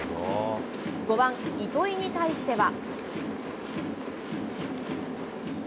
５番糸井に対しては。